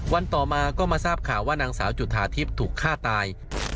ต่อมาก็มาทราบข่าวว่านางสาวจุธาทิพย์ถูกฆ่าตาย